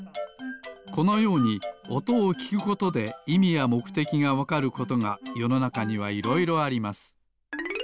このようにおとをきくことでいみやもくてきがわかることがよのなかにはいろいろあります。